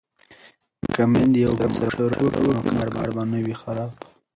که میندې یو بل سره مشوره وکړي نو کار به نه وي خراب.